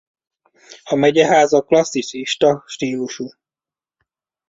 A megyeháza klasszicista stílusú.